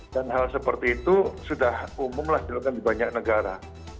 dan hal seperti itu sudah umum lah di banyak negara